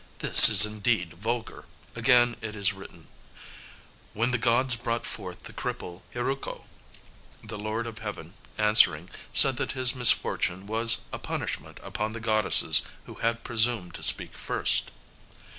This is indeed vulgar.'" Again it is written, "When the gods brought forth the cripple Hiruko, the Lord of Heaven, answering, said that his misfortune was a punishment upon the goddesses who had presumed to speak first."